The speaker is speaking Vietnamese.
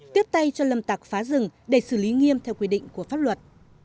tiếp tay cho lâm tặc phá rừng để xử lý nghiêm theo quy định của pháp luật